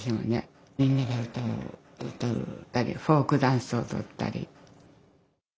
みんなで歌を歌ったりフォークダンスを踊ったり。